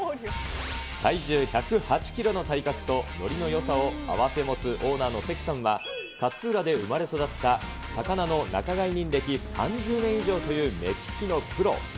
体重１０８キロの体格と、ノリのよさを併せ持つオーナーの関さんは、勝浦で生まれ育った魚の仲買人歴３０年以上という目利きのプロ。